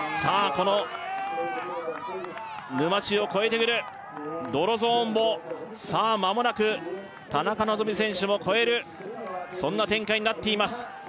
この沼地を越えてくる泥ゾーンをさあまもなく田中希実選手も越えるそんな展開になっています